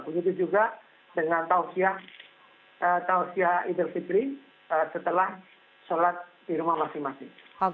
begitu juga dengan tausiyah idul fitri setelah sholat di rumah masing masing